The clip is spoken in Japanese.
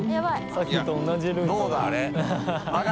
さっきと同じルート